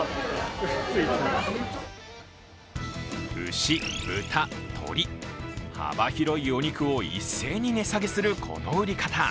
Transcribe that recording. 牛、豚、鶏、幅広いお肉を一斉に値下げするこの売り方。